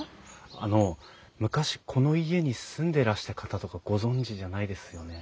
あの昔この家に住んでらした方とかご存じじゃないですよね？